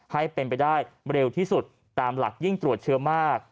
ให้เป็นไปได้เร็วที่สุดตามหลักยิ่งตรวจเชื้อมาก